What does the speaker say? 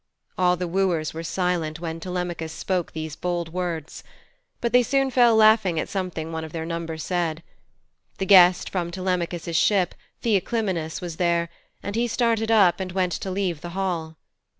All the wooers were silent when Telemachus spoke these bold words. But soon they fell laughing at something one of their number said. The guest from Telemachus' ship, Theoclymenus, was there, and he started up and went to leave the hall.